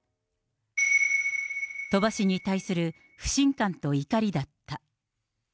鳥羽氏に対する不信感と怒りだった。